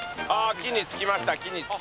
木につきました。